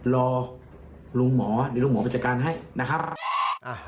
รอลุงหมอหรือลุงหมอพจการให้นะครับ